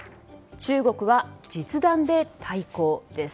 中国は実弾で対抗です。